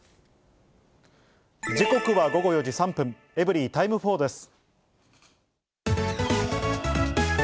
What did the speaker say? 時刻は午後４時３分、エブリィタイム４です。